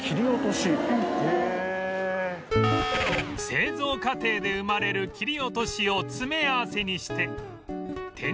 製造過程で生まれる切り落としを詰め合わせにして店頭や三越伊勢丹